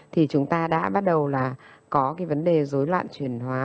thì chúng ta đã bắt đầu là có cái vấn đề dối loạn truyền hóa